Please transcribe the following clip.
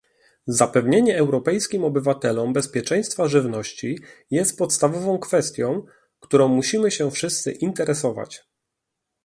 Zapewnienie europejskim obywatelom bezpieczeństwa żywności jest podstawową kwestią, którą musimy się wszyscy interesować